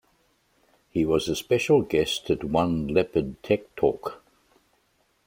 He was a special guest at one Leopard Tech Talk.